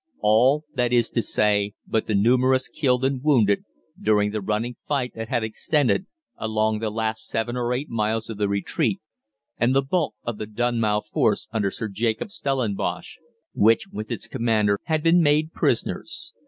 All, that is to say, but the numerous killed and wounded during the running fight that had extended along the last seven or eight miles of the retreat, and the bulk of the Dunmow force under Sir Jacob Stellenbosch, which with its commander, had, it was believed, been made prisoners.